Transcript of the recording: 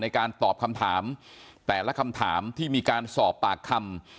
ในการตอบคำถามแต่ละคำถามที่มีการสอบปากคำ